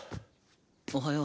おはよう。